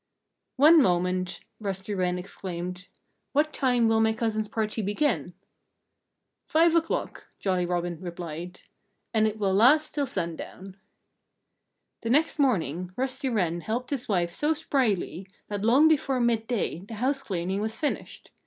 "One moment!" Rusty Wren exclaimed. "What time will my cousin's party begin?" "Five o'clock!" Jolly Robin replied. "And it will last till sundown." The next morning Rusty Wren helped his wife so spryly that long before midday the house cleaning was finished.